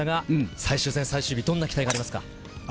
最終戦最終日、どんな期待がありますか？